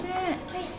はい。